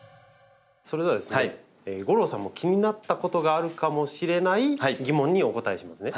それではですね吾郎さんも気になったことがあるかもしれない疑問にお答えしますね。